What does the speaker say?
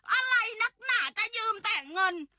อะไรนักหนาจะยืมแต่เงิน